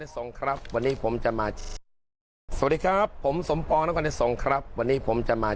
สวัสดีครับผมสมปองนักวันนี้ส่งครับวันนี้ผมจะมา